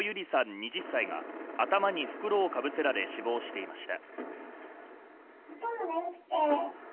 二十歳が頭に袋をかぶせられ、死亡していました。